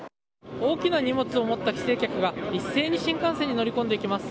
大きな荷物を持った帰省客が一斉に新幹線に乗り込んでいきます。